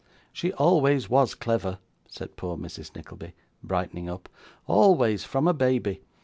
'She always was clever,' said poor Mrs. Nickleby, brightening up, 'always, from a baby.